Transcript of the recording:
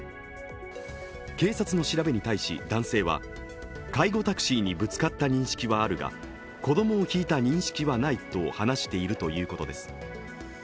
警察の調べに対し男性は、介護タクシーにぶつかった認識はあるが子供をひいた認識はないと話しているということです。